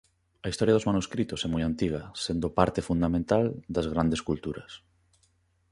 A historia dos manuscritos é moi antiga sendo parte fundamental das grandes culturas.